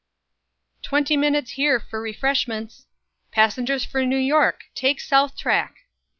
"Twenty minutes here for refreshments!" "Passengers for New York take south track!"